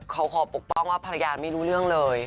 เขาขอปกป้องว่าภรรยาไม่รู้เรื่องเลย